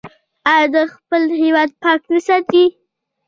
آیا دوی خپل هیواد پاک نه ساتي؟